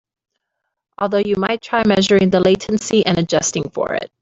Although you might try measuring the latency and adjusting for it.